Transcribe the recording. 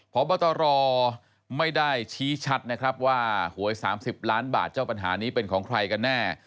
พบตรไม่ได้ชี้ชัดนะครับว่าหวย๓๐ล้านบาทเจ้าปัญหานี้เป็นของใครกันแน่